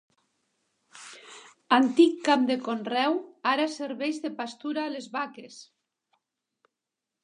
Antic camp de conreu, ara serveix de pastura a les vaques.